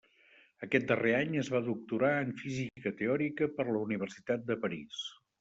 Aquest darrer any es va doctorar en física teòrica per la Universitat de París.